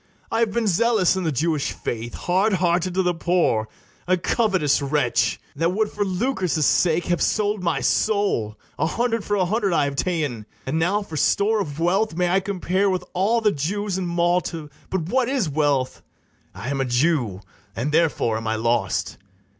I have been zealous in the Jewish faith, Hard hearted to the poor, a covetous wretch, That would for lucre's sake have sold my soul; A hundred for a hundred I have ta'en; And now for store of wealth may I compare With all the Jews in Malta: but what is wealth? I am a Jew, and therefore am I lost.